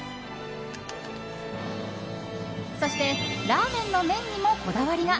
そしてラーメンの麺にもこだわりが。